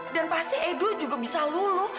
dan pasti edo juga bisa lulu